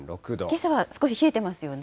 けさは少し冷えてますよね。